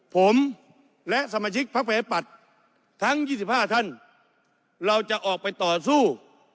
ผมและสมาชิกภักดิ์ไว้ปัดทั้งยี่สิบห้าท่านเราจะออกไปต่อสู้